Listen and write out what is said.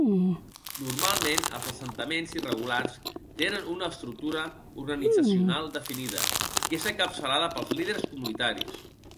Normalment els assentaments irregulars tenen una estructura organitzacional definida, que és encapçalada pels líders comunitaris.